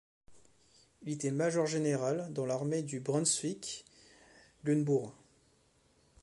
Il était Major-général dans l'armée de Brunswick-Lunebourg.